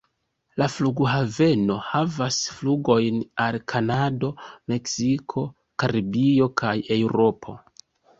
La flughaveno havas flugojn al Kanado, Meksiko, Karibio kaj Eŭropo.